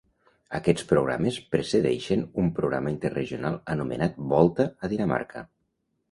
Aquests programes precedeixen un programa interregional anomenat Volta a Dinamarca.